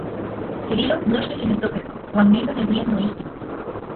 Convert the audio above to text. Cirilo, nochtin kineltokaj, uan ne noneuian noijki.